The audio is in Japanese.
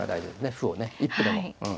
歩をね一歩でもうん。